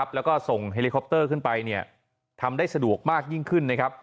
แล้วก็ส่งเฮลิคอปเตอร์ขึ้นไปทำได้สะดวกมากยิ่งขึ้นนะครับ